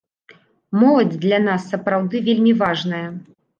Моладзь для нас сапраўды вельмі важная.